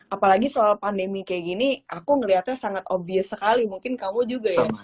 apalagi soal pandemi kayak gini aku ngeliatnya sangat obvious sekali mungkin kamu juga ya